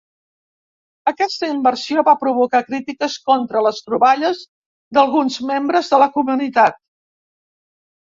Aquesta inversió va provocar crítiques contra les troballes d'alguns membres de la comunitat.